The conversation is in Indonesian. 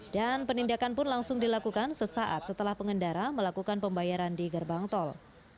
dan penindakan pun langsung dilakukan sesaat setelah pengendara melakukan pembayaran di gerbang tol